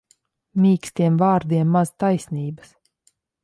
Mīkstiem vārdiem maz taisnības.